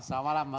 selamat malam mas